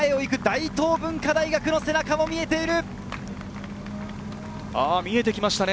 さらに前を行く大東文化大学の背中も見えている。